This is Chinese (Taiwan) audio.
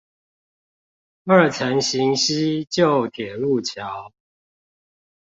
二層行溪舊鐵路橋